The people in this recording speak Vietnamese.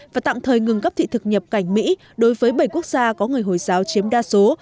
và tạm thời ngừng cấp thị thực nhập cảnh mỹ đối với bảy quốc gia có người hồi giáo chiếm đa số